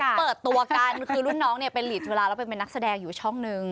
เปิดตัวกันคือรุ่นน้องเนี่ยเป็นหลีดเวลาแล้วไปเป็นนักแสดงอยู่ช่องนึง